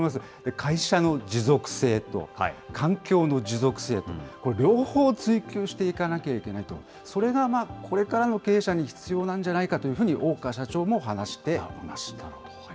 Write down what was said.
会社の持続性と環境の持続性と、これ、両方追求していかなきゃいけないと、それがこれからの経営者に必要なんじゃないかというふうに、大川社長も話していました。